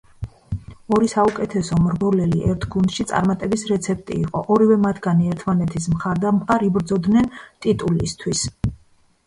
ორი საუკეთესო მრბოლელი ერთ გუნდში წარმატების რეცეპტი იყო, ორივე მათგანი ერთმანეთის მხარდამხარ იბრძოდნენ ტიტულისთვის.